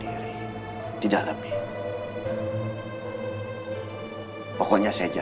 harus kamu bharmokera